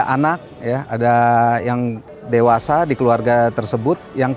pueden datang ke sebuah ke resipi polchnict